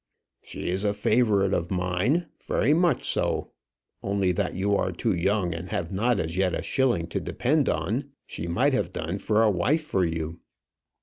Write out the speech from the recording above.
"She is a favourite of mine very much so. Only that you are too young, and have not as yet a shilling to depend on, she might have done for a wife for you."